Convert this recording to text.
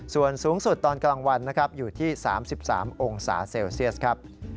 ส่วนสูงสุดตอนกลางวันนะครับอยู่ที่๓๓องศาเซลเซียสครับ